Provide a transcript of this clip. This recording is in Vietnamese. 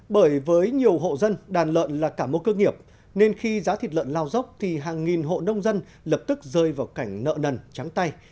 bởi với nhiều hộ dân đàn lợn là cả mô cơ nghiệp nên khi giá thịt lợn lao dốc thì hàng nghìn hộ nông dân lập tức rơi vào cảnh nợ nần trắng tay